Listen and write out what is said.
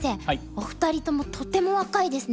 お二人ともとても若いですね。